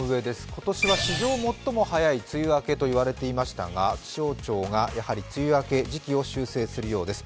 今年は史上最も早い梅雨明けといわれていましたが気象庁がやはり梅雨明け、時期を修正するようです。